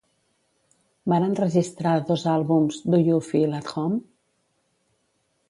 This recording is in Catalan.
Van enregistrar dos àlbums, Do You Feel at Home?